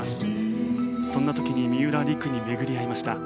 そんな時に三浦璃来に巡り合いました。